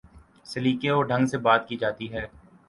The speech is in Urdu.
سلیقے اور ڈھنگ سے بات کی جاتی ہے۔